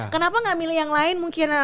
kenapa nggak milih yang lain mungkin